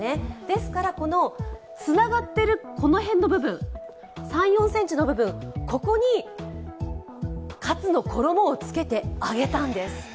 ですから、つながっているこの辺の部分、３４ｃｍの部分、ここにカツの衣をつけて、揚げたんです。